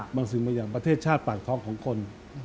สิ่งบางอย่างประเทศชาติปากท้องของคน